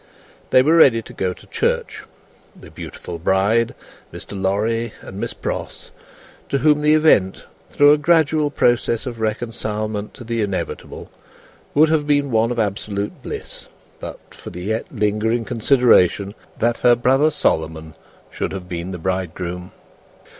They were ready to go to church; the beautiful bride, Mr. Lorry, and Miss Pross to whom the event, through a gradual process of reconcilement to the inevitable, would have been one of absolute bliss, but for the yet lingering consideration that her brother Solomon should have been the bridegroom.